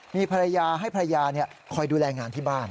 มีภรรยาให้ภรรยาคอยดูแลงานที่บ้าน